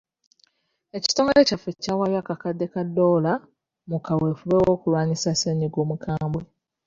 Ekitongole kyaffe kyawayo akakadde ka ddoola mu kaweefube w'okulwanyisa ssenyiga omukambwe.